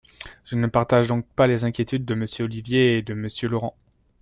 Je ne partage donc pas les inquiétudes de Monsieur Ollier et de Monsieur Laurent.